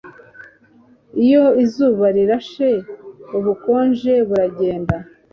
iyo izuba rirashe ubukonje burajyenda.